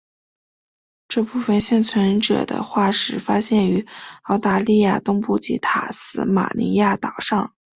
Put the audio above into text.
这部分幸存者的化石发现于澳大利亚东部及塔斯马尼亚岛上。